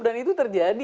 dan itu terjadi